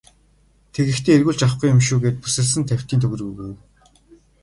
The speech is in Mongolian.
Тэгэхдээ эргүүлж авахгүй юм шүү гээд бүсэлсэн тавьтын төгрөг өгөв.